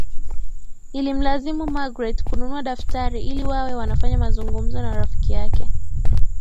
Ilimlazimu Magreth kununua daftari ili wawe wanafanya mazungumzo na Rafiki yake